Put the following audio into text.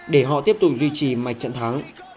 để họ tiếp tục duy trì mạch trận thắng